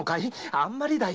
あんまりだよ。